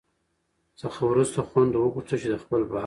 څخه وروسته خویندو وغوښتل چي د خپل باغ